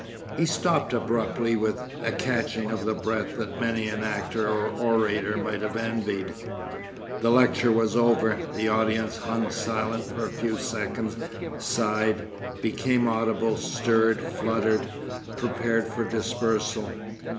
He stopped abruptly with a catching of the breath that many an actor or orator might have envied. The lecture was over, the audience hung silent for a few seconds, sighed, became audible, stirred, fluttered, prepared for dispersal.